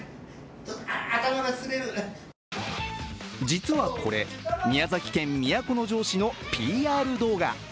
実はこれ、宮崎県都城市のＰＲ動画。